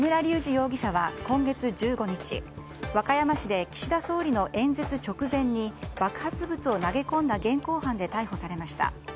容疑者は今月１５日、和歌山市で岸田総理の演説直前に爆発物を投げ込んだ現行犯で逮捕されました。